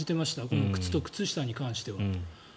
この靴と靴下に関しては。